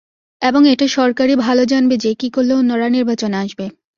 এবং এটা সরকারই ভালো জানবে যে কী করলে অন্যরা নির্বাচনে আসবে।